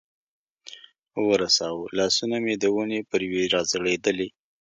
ورساوه، لاسونه مې د ونې پر یوې را ځړېدلې.